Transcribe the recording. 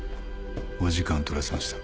お時間をとらせました。